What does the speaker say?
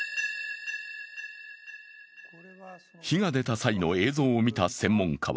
火が出た際の映像を見た専門家は